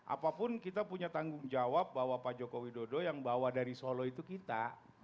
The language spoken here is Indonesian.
apapun kita punya tanggung jawab bahwa pak joko widodo yang bawa dari solo itu kita